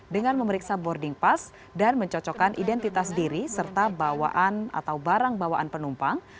dengan memeriksa boarding pass dan mencocokkan identitas diri serta bawaan atau barang bawaan penumpang